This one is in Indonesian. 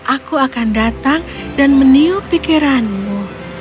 aku akan datang dan meniup pikiranmu